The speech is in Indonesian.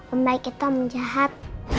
om baik itu om jahat